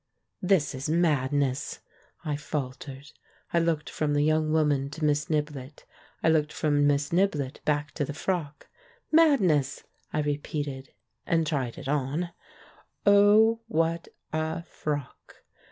"This is madness," I faltered. I looked from the young woman to Miss Niblett ; I looked from Miss Niblett back to the frock. "Madness!" I repeated — and tried it on. Oh, what a frock!